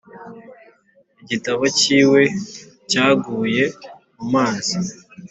igitabo cyiwe cyaguye mu mazi